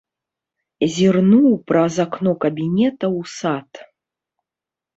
Зірнуў праз акно кабінета ў сад.